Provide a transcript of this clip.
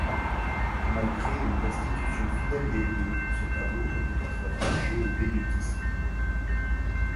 Malgré une restitution fidèle des lieux, ce tableau ne peut être rattaché au Védutisme.